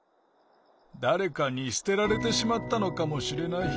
だれかにすてられてしまったのかもしれない。